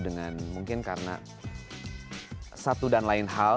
dengan mungkin karena satu dan lain hal